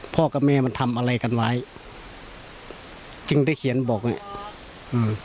พ่อกับแม่มันทำอะไรกันไว้จึงได้เขียนบอกอย่างนี้